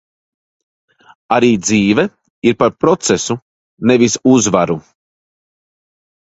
Arī dzīve ir par procesu, nevis uzvaru.